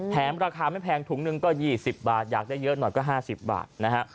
ราคาไม่แพงถุงหนึ่งก็๒๐บาทอยากได้เยอะหน่อยก็๕๐บาทนะฮะ